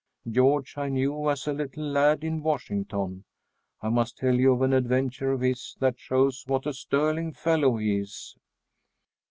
George I knew as a little lad in Washington. I must tell you of an adventure of his, that shows what a sterling fellow he is."